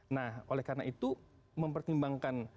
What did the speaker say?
nah oleh karena itu mempertimbangkan